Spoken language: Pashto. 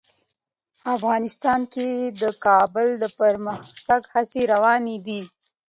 افغانستان کې د کابل د پرمختګ هڅې روانې دي.